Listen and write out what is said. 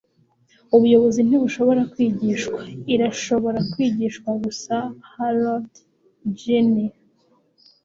ubuyobozi ntibushobora kwigishwa. irashobora kwigishwa gusa. - harold s. geneen